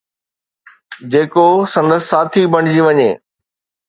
جيڪو سندس ساٿي بڻجي وڃي